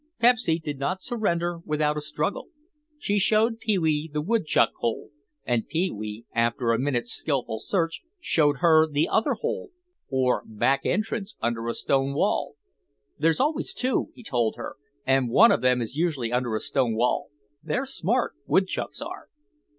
Pepsy did not surrender without a struggle. She showed Pee wee the woodchuck hole and Pee wee, after a minute's skillful search, showed her the other hole, or back entrance, under a stone wall. "There are always two," he told her, "and one of them is usually under a stone wall. They're smart, woodchucks are."